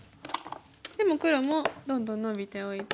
でも黒もどんどんノビておいて。